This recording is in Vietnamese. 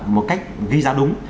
một cách ghi giá đúng